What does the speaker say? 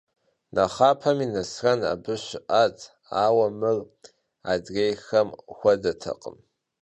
Nexhapemi Nesren abı şı'at, aue mır adrêyxem xuedetekhım.